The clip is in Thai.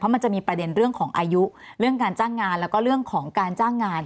มันจะมีประเด็นเรื่องของอายุเรื่องการจ้างงานแล้วก็เรื่องของการจ้างงาน